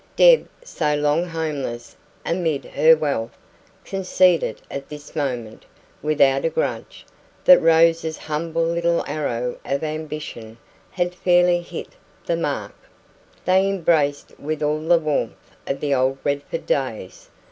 Deb, so long homeless amid her wealth, conceded at this moment, without a grudge, that Rose's humble little arrow of ambition had fairly hit the mark. They embraced with all the warmth of the old Redford days.